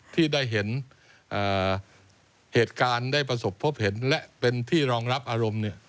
ที่ได้เห็นเหตุการณ์ได้ประสบพบเห็นและเป็นที่รองรับอารมณ์